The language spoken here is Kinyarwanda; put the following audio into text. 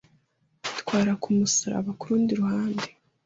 Twara kumusaraba kurundi ruhande